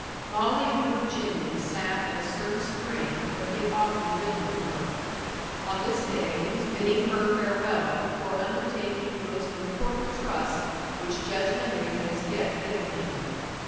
Molly and her Virginian sat at a certain spring where he had often ridden with her. On this day he was bidding her farewell before undertaking the most important trust which Judge Henry had as yet given him.